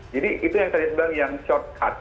jadi itu yang tadi saya bilang yang shortcut